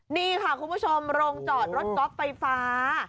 นี่ค่ะคุณผู้ชมโรงจอดรถก๊อฟไฟฟ้า